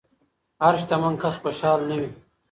هر شتمن کس خوشحال نه وي.